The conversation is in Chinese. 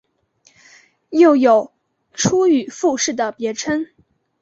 又有出羽富士的别称。